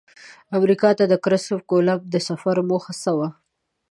امریکا ته د کرسف کولمب د سفر موخه څه وه؟